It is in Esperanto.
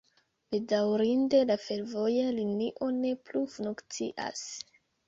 Bedaŭrinde la fervoja linio ne plu funkcias.